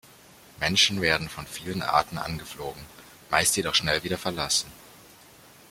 Menschen werden von vielen Arten angeflogen, meist jedoch schnell wieder verlassen.